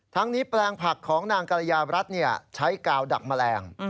ทั้งนี้แปลงผักของนางกรยารัฐใช้กาวดักแมลง